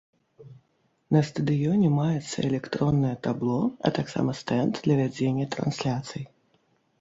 На стадыёне маецца электроннае табло, а таксама стэнд для вядзення трансляцый.